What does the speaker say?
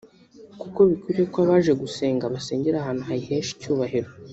kuko bikwiye ko abaje gusenga basengera ahantu hayihesha icyubahiro